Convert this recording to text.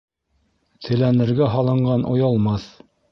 Теләнергә һалынған оялмаҫ.